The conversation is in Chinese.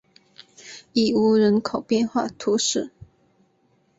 伊乌人口变化图示